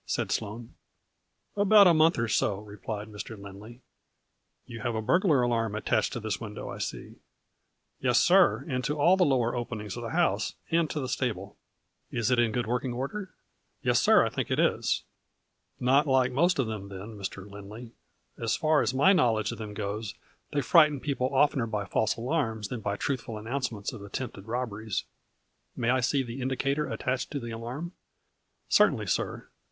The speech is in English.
" said Sloane. " About a month or so," replied Mr. Lindley. " You have a burglar alarm attached to this window, I see. '" Yes, sir, and to all the lower openings of the house, and to the stable." A FLURRY IN DIAMONDS. 51 " Is it in good working order? "" Yes, sir, I think it is." " Not like most of them, then, Mr. Lindley As far as my knowledge of them goes they frighten people oftener by false alarms than by truthful announcements of attempted robberies. May I see the indicator attached to the alarm ?"" Certainly, sir.